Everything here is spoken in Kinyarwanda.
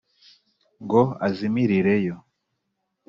ngo azimirire yo.